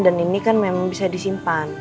dan ini kan memang bisa disimpan